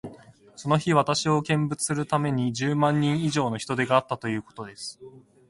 その日、私を見物するために、十万人以上の人出があったということです。